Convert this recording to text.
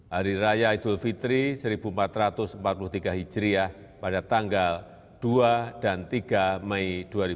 hari raya idul fitri seribu empat ratus empat puluh tiga hijriah pada tanggal dua dan tiga mei dua ribu dua puluh